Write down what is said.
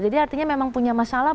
jadi artinya memang punya masalah